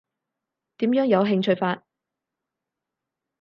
點樣有興趣法？